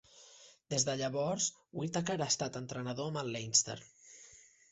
Des de llavors, Whitaker ha estat entrenador amb el Leinster.